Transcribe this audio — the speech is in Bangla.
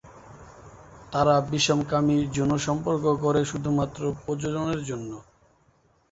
তারা বিষমকামী যৌন সম্পর্ক করে শুধুমাত্র প্রজননের জন্য।